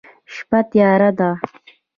شپه تیاره ده